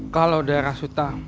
kalau daerah suta